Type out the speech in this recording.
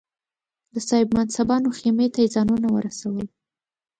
د صاحب منصبانو خېمې ته یې ځانونه ورسول.